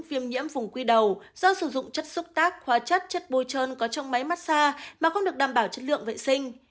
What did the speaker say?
phim nhiễm vùng quy đầu do sử dụng chất xúc tác khoa chất chất bôi trơn có trong máy mát xa mà không được đảm bảo chất lượng vệ sinh